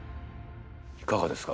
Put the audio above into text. いかがですか。